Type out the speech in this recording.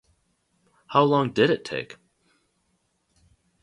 How long did it take?